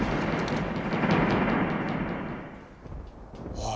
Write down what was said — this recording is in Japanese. おい。